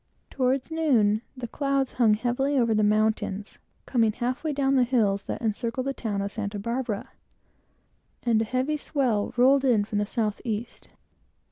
Towards noon, the clouds hung heavily over the mountains, coming half way down the hills that encircle the town of Santa Barbara, and a heavy swell rolled in from the south east.